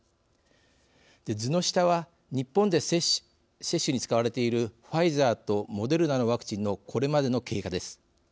図の下は日本で接種に使われているファイザーとモデルナのワクチンのこれまでの経過です。